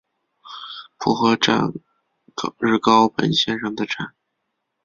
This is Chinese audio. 浦河站日高本线上的站。